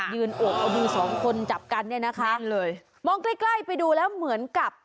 ยืนโอบดู๒คนจับกันเนี่ยนะคะมองใกล้ไปดูแล้วเหมือนกับ